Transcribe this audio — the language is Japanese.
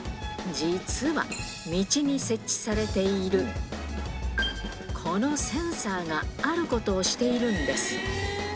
実は、道に設置されている、このセンサーがあることをしているんです。